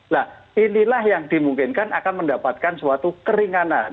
nah inilah yang dimungkinkan akan mendapatkan suatu keringanan